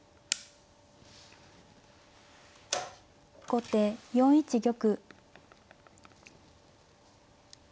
後手４一玉。